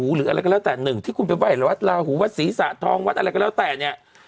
หรืออะไรก็แล้วแต่หนึ่งที่คุณไปไหว้วัดลาหูวัดศรีสะทองวัดอะไรก็แล้วแต่เนี่ย